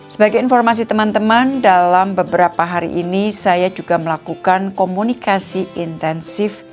sebagai informasi teman teman dalam beberapa hari ini saya juga melakukan komunikasi intensif